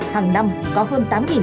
hàng năm có hơn